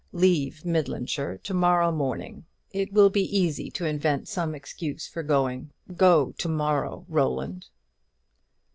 Leave Midlandshire to morrow morning. It will be easy to invent some excuse for going. Go to morrow, Roland."